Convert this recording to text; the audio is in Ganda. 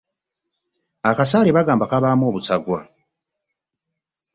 Akasaale bagamba kabaamu obusagwa.